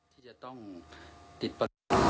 ที่จะต้องติดประตู